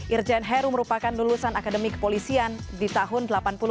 irjen heru merupakan lulusan akademik polisian di tahun seribu sembilan ratus delapan puluh lima